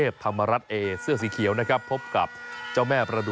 ได้ว้ามารั้น